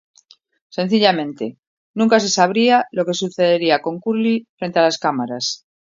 Sencillamente nunca se sabía lo que sucedería con Curly frente a las cámaras.